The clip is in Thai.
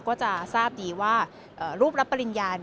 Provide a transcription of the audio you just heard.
ก็จะทราบดีว่ารูปรับปริญญา